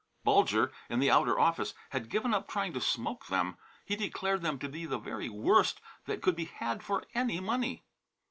Bulger, in the outer office, had given up trying to smoke them. He declared them to be the very worst that could be had for any money.